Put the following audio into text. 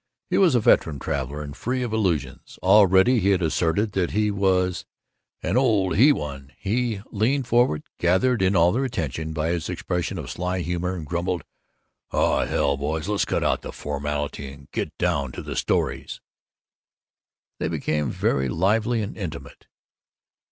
He was a veteran traveler and free of illusions. Already he had asserted that he was "an old he one." He leaned forward, gathered in their attention by his expression of sly humor, and grumbled, "Oh, hell, boys, let's cut out the formality and get down to the stories!" They became very lively and intimate.